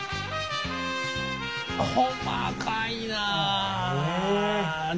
細かいなあ。